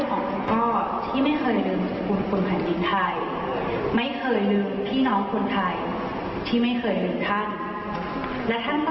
ขอบคุณมากค่ะขอบคุณครับ